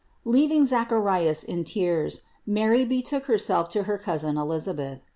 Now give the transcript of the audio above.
308. Leaving Zacharias in tears, Mary betook Herself to her cousin Elisabeth.